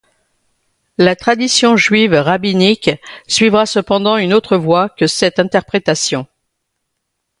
La tradition juive rabbinique suivra cependant une autre voie que cette interprétation.